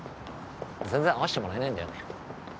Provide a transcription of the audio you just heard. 全然会わせてもらえないんだよね。